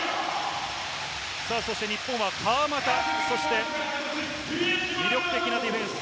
日本は川真田、そして、魅力的なディフェンス。